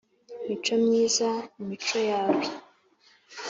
micomyiza, imico yawe,